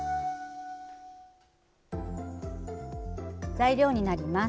材料になります。